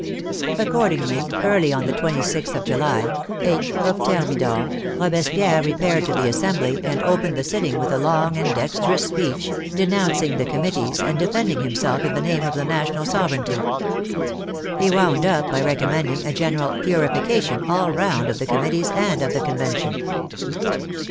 Accordingly, early 89 9«> THE FRENCH REVOLUTION on the 26th of July (8th of Thermidor) Robespierre re paired to the Assembly and opened the sitting with a long and dexterous speech, denouncing the Committees and de fending himself in the name of the national sovereignty. He wound up by recommending a general " purification " all round of the Committees and of the Convention.